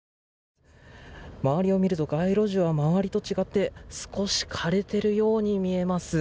周りを見ると街路樹は周りと違って少し枯れているように見えます。